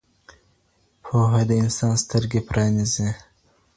پوهه د انسان سترګي پرانیزي.